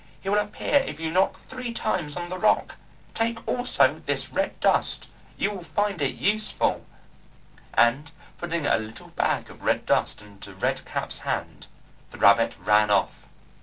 He will appear if you knock three times on the rock. Take also this red dust, you will find it useful;" and putting a little bag of red dust into Red Cap's hand the rabbit ran off.